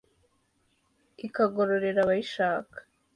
ikagororera abayishaka